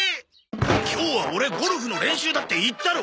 今日はオレゴルフの練習だって言ったろ！